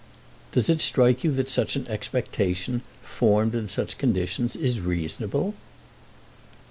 "Does it strike you that such an expectation, formed in such conditions, is reasonable?"